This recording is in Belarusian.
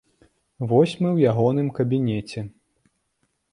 Вось мы ў ягоным кабінеце.